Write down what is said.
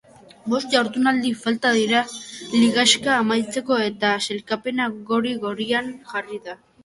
Bost jardunaldi falta dira ligaxka amaitzeko eta sailkapena gori-gorian jarri da.